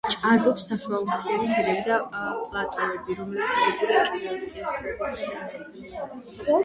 ჭარბობს საშუალომთიანი ქედები და პლატოები, რომლებიც აგებულია კირქვებითა და მერგელებით.